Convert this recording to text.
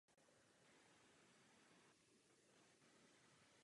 Příčinou případného úhynu zvířat bývá akutní selhání ledvin.